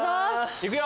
いくよ！